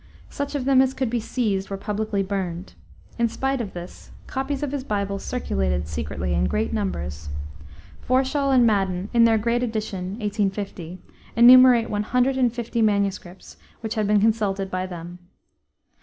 Such of them as could be seized were publicly burned. In spite of this, copies of his Bible circulated secretly in great numbers. Forshall and Madden, in their great edition (1850), enumerate one hundred and fifty MSS. which had been consulted by them.